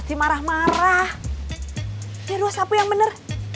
ini ruah sapu yang bener